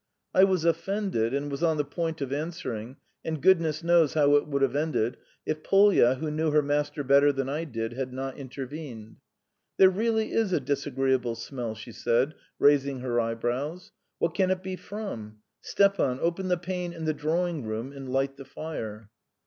I was offended, and was on the point of answering, and goodness knows how it would have ended if Polya, who knew her master better than I did, had not intervened. "There really is a disagreeable smell," she said, raising her eyebrows. "What can it be from? Stepan, open the pane in the drawing room, and light the fire."